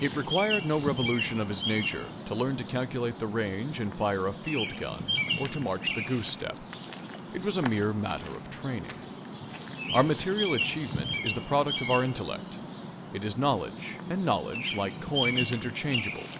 It required no revolution of his nature to learn to calculate the range and fire a field gun or to march the goose step. It was a mere matter of training. Our material achievement is the product of our intellect. It is knowledge, and knowledge, like coin, is interchangeable.